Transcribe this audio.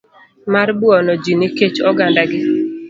mar buono ji nikech ogandagi.